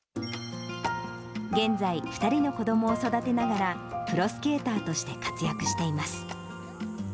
現在、２人の子どもを育てながら、プロスケーターとして活躍しています。